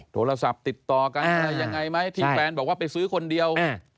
โทรศัพท์ติดต่อกันอะไรยังไงไหมที่แฟนบอกว่าไปซื้อคนเดียว